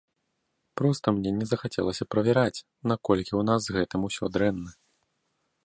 Проста мне не захацелася правяраць, наколькі ў нас з гэтым усё дрэнна.